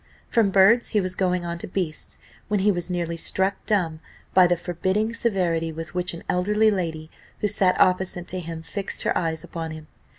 From birds he was going on to beasts, when he was nearly struck dumb by the forbidding severity with which an elderly lady, who sat opposite to him, fixed her eyes upon him.